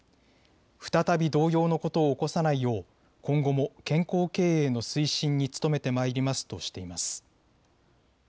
再び同様のことを起こさないよう今後も健康経営の推進に努めてまいりますとしています。